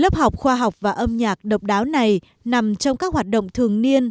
lớp học khoa học và âm nhạc độc đáo này nằm trong các hoạt động thường niên